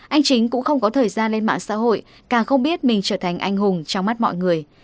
anh chính cũng không có thời gian lên mạng xã hội càng không biết mình trở thành anh hùng trong mắt mọi người